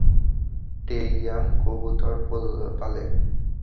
টে ইয়াং কবুতর পালে।